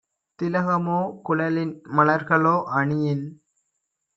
திலகமோ, குழலில் - மலர்களோ அணியின்